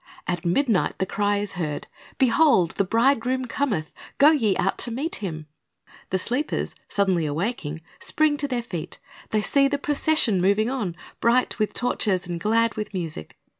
At midnight the cry is heard, "Behold, the bridegroom cometh; go ye out to meet him." The sleepers, suddenly awaking, spring to their feet. They see the procession moving on, bright with torches and glad with music.